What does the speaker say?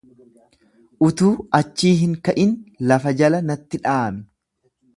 Utuu achii hin ka'in lafa jala natti dhaami.